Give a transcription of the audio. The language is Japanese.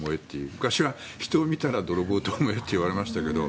昔は人を見たら泥棒と思えと言われましたが。